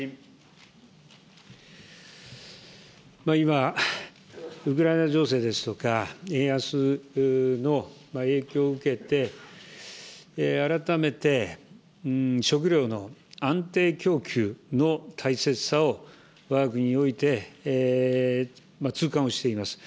今、ウクライナ情勢ですとか、円安の影響を受けて、改めて食料の安定供給の大切さを、わが国において痛感をしています。